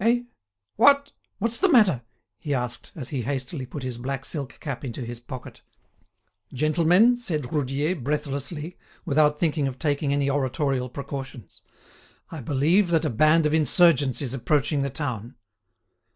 "Eh? what! What's the matter?" he asked, as he hastily put his black silk cap into his pocket. "Gentlemen," said Roudier, breathlessly, without thinking of taking any oratorical precautions, "I believe that a band of insurgents is approaching the town."